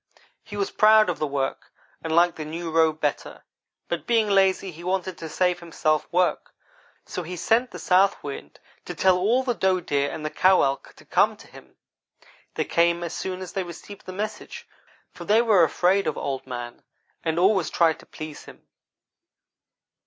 He was proud of the work, and liked the new robe better; but being lazy, he wanted to save himself work, so he sent the South wind to tell all the doe deer and the cow elk to come to him. They came as soon as they received the message, for they were afraid of Old man and always tried to please him.